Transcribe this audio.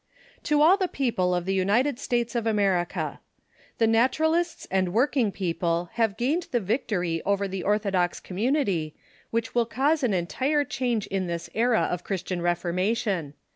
all the People of the United States of America :— The Naturalists and working people have gained the victory over the orthodox community, which will cause an entire change in this era of Chris tian Reformation.